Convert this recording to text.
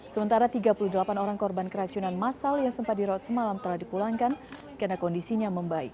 sementara tiga puluh delapan orang korban keracunan masal yang sempat dirawat semalam telah dipulangkan karena kondisinya membaik